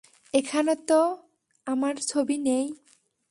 এখানে তো আমার ছবি নেই!